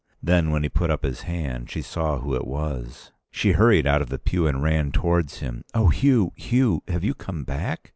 Then, when he put up his hand, she saw who it was. She hurried out of the pew and ran towards him. "Oh, Hugh, Hugh, have you come back?"